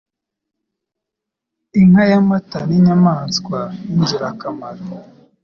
Inka y'amata ni inyamaswa y'ingirakamaro.